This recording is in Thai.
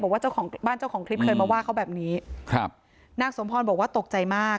เจ้าของบ้านเจ้าของคลิปเคยมาว่าเขาแบบนี้ครับนางสมพรบอกว่าตกใจมาก